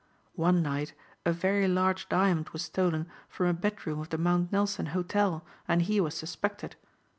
One night a very large diamond was stolen from a bedroom of the Mount Nelson hotel and he was suspected.